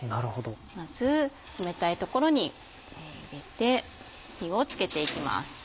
まず冷たい所に入れて火を付けていきます。